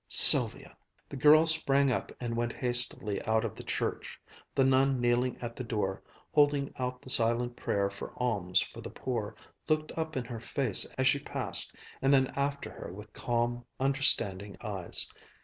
Sylvia!" The girl sprang up and went hastily out of the church. The nun kneeling at the door, holding out the silent prayer for alms for the poor, looked up in her face as she passed and then after her with calm, understanding eyes.